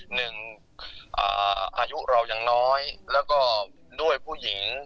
หนึ่งอายุเรายังน้อยแล้วก็ด้วยผู้หญิง